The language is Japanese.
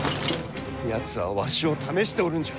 やつはわしを試しておるんじゃ。